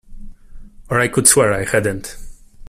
Or I could swear I hadn't.